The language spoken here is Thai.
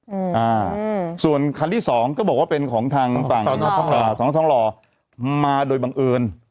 อืมอืมส่วนคันที่สองก็บอกว่าเป็นของทางท้องรอมาโดยบังเอิญ